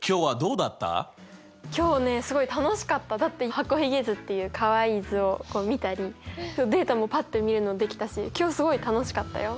だって箱ひげ図っていうかわいい図を見たりデータもぱっと見るのできたし今日すごい楽しかったよ。